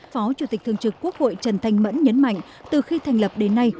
phó chủ tịch thường trực quốc hội trần thanh mẫn nhấn mạnh từ khi thành lập đến nay